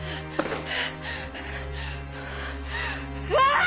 ああ！